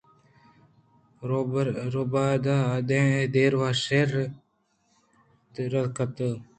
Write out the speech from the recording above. روباہ ءَ داں دیراں شیر ءِ ودار کُت